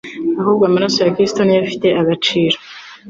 ahubwo amaraso ya Kristo ni yo afite agaciro.